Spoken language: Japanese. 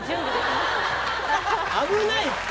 危ないって。